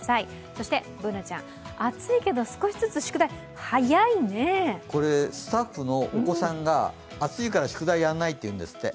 そしてＢｏｏｎａちゃん、暑いけど少しずつ宿題をこれ、スタッフのお子さんが暑いから宿題やらないと言うんですって。